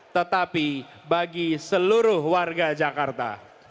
tetapi bagi seluruh warga jakarta